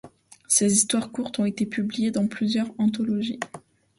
Ses histoires courtes ont été publiées dans plusieurs anthologies.